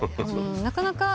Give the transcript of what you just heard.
なかなか。